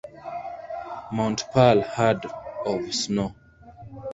Mount Pearl had of snow.